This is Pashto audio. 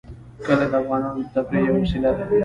کلي د افغانانو د تفریح یوه وسیله ده.